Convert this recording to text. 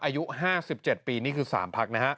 อายุ๕๗ปีนี่คือ๓พักนะฮะ